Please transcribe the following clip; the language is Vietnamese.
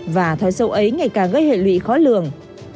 và thói sâu ấy ngày càng gây hệ lụy khó lường